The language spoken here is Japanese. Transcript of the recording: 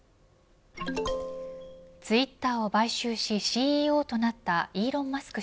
ツイッターを買収しＣＥＯとなったイーロン・マスク